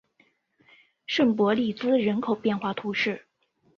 圣博利兹人口变化图示